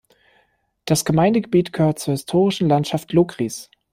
Das Gemeindegebiet gehört zur historischen Landschaft Lokris.